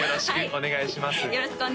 お願いします